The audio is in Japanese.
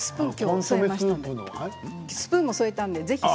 スプーンも添えたのでぜひ。